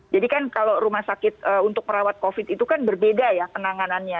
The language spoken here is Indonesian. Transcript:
jadi kan kalau rumah sakit untuk merawat covid itu kan berbeda ya penanganannya